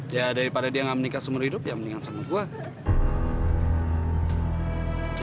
ya daripada dia gak menikah seumur hidup ya mendingan sama gue